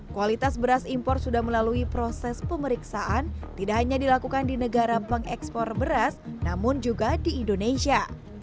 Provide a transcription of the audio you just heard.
kualitas beras impor sudah melalui proses pemeriksaan tidak hanya dilakukan di negara pengekspor beras namun juga di indonesia